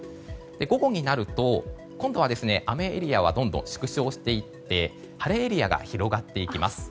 午後になると今度は雨エリアはどんどん縮小していって晴れエリアが広がっていきます。